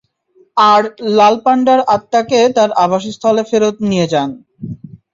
আর লাল পান্ডার আত্মাকে তার আবাসস্থলে ফেরত নিয়ে যান।